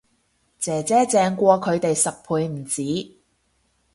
姐姐正過佢哋十倍唔止